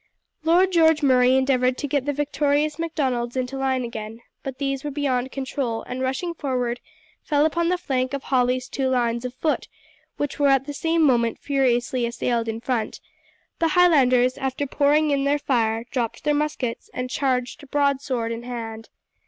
Lord George Murray endeavoured to get the victorious Macdonalds into line again; but these were beyond control and rushing forward fell upon the flank of Hawley's two lines of foot, which were at the same moment furiously assailed in front; the Highlanders, after pouring in their fire, dropped their muskets and charged broadsword in hand.